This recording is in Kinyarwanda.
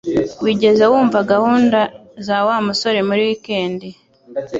Wigeze wumva gahunda za Wa musore muri wikendi?